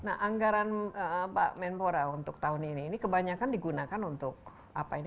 nah anggaran pak menpora untuk tahun ini ini kebanyakan digunakan untuk apa ini